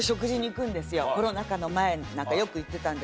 コロナ禍の前なんかよく行ってたんですが。